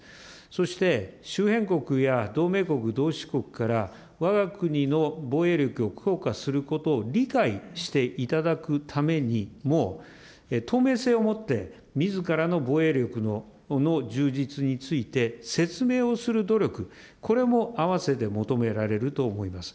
そして周辺国や同盟国、同志国からわが国の防衛力をすることを理解していただくためにも、透明性を持ってみずからの防衛力の充実について説明をする努力、これも併せて求められると思います。